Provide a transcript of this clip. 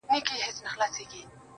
په هغه ورځ خدای ته هيڅ سجده نه ده کړې~